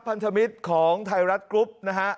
พันธมิตรของไทยรัฐกรุ๊ปนะฮะ